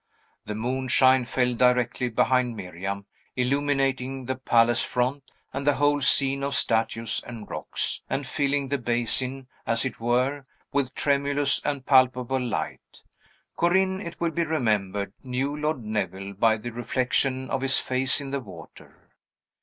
The moonshine fell directly behind Miriam, illuminating the palace front and the whole scene of statues and rocks, and filling the basin, as it were, with tremulous and palpable light. Corinne, it will be remembered, knew Lord Neville by the reflection of his face in the water.